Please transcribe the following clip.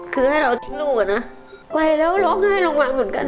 คือให้เราทิ้งลูกอ่ะนะไปแล้วร้องไห้ลงมาเหมือนกัน